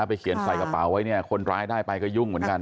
ไปเขียนใส่กระเป๋าไว้เนี่ยคนร้ายได้ไปก็ยุ่งเหมือนกัน